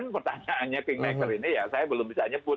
pertanyaannya kingmaker ini ya saya belum bisa nyebut